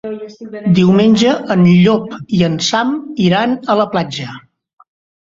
Diumenge en Llop i en Sam iran a la platja.